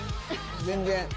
全然。